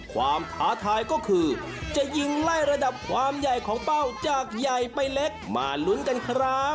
ท้าทายก็คือจะยิงไล่ระดับความใหญ่ของเป้าจากใหญ่ไปเล็กมาลุ้นกันครับ